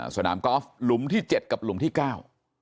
สนามกอล์ฟหลุมที่เจ็ดกับหลุมที่เก้า